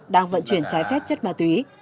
đang vận chuyển trái phép chất ma túy